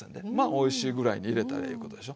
おいしいぐらいに入れたらええいうことでしょ。